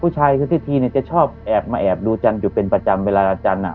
ผู้ชายชื่อทีเนี้ยจะชอบแอบมาแอบดูจันทร์อยู่เป็นประจำเวลาจันทร์อ่ะ